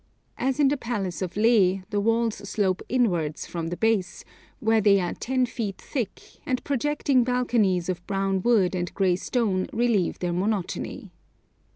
As in the palace of Leh, the walls slope inwards from the base, where they are ten feet thick, and projecting balconies of brown wood and grey stone relieve their monotony.